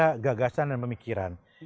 lebih kepada gagasan dan pemikiran